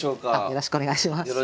よろしくお願いします。